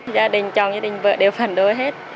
gia đình chồng gia đình vợ đều phản đối hết